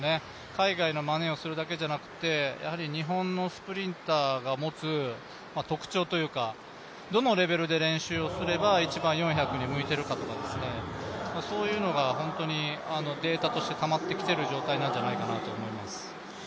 海外のまねをするだけじゃなくて日本のスプリンターが持つ特徴というか、どのレベルで練習をすれば一番４００に向いているかとか、そういうのが本当にデータとしてたまってきている状態なんじゃないかなと思います。